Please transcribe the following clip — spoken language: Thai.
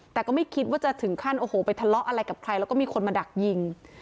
แต่ก็ไม่คิดว่าจะถึงขั้นโอ้โหไปทะเลาะอะไรกับใครแล้วก็มีคนมาดักยิง